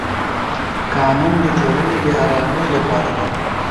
قانون د ټولنې د ارامۍ لپاره دی.